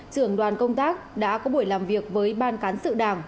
trưởng đoàn công tác đã có buổi làm việc với ban cán sự đảng